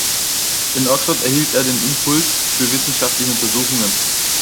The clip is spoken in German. In Oxford erhielt er den Impuls für wissenschaftliche Untersuchungen.